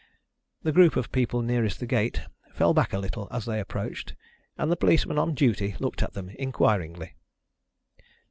The group of people nearest the gate fell back a little as they approached, and the policeman on duty looked at them inquiringly.